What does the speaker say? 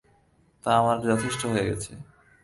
তা আমার যথেষ্ট হয়ে গেছে।